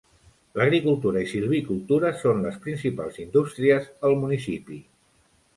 L'agricultura i silvicultura són les principals indústries al municipi.